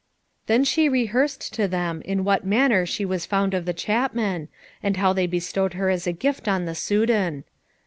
Then she rehearsed to them in what manner she was found of the chapmen, and how they bestowed her as a gift on the Soudan.